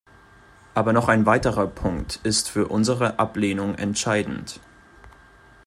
Aber noch ein weiterer Punkt ist für unsere Ablehnung entscheidend.